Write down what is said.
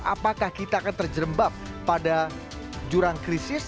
apakah kita akan terjerembab pada jurang krisis